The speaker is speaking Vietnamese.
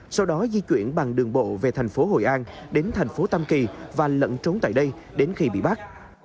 sau đó di chuyển bằng đường bộ về tp hội an đến tp tâm kỳ và lẫn trốn tại đây đến khi bị bắt